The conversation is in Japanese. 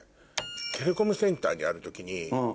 テレコムセンターにある時に。